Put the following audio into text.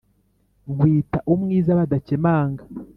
Nkwita umwiza badakemanga